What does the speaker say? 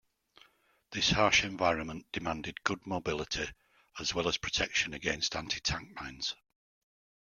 This harsh environment demanded good mobility as well as protection against anti-tank mines.